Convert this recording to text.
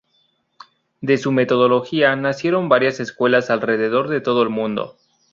De su metodología nacieron varias escuelas alrededor de todo el mundo.